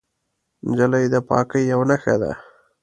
نجلۍ د پاکۍ یوه نښه ده.